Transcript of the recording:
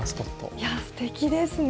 いやすてきですね。